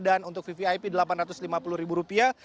dan untuk vvip delapan ratus lima puluh rupiah